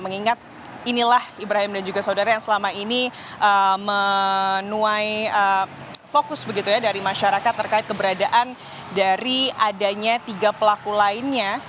mengingat inilah ibrahim dan juga saudara yang selama ini menuai fokus begitu ya dari masyarakat terkait keberadaan dari adanya tiga pelaku lainnya